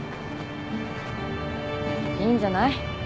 いいんじゃない？